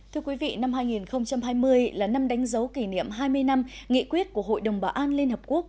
thưa quý vị năm hai nghìn hai mươi là năm đánh dấu kỷ niệm hai mươi năm nghị quyết của hội đồng bảo an liên hợp quốc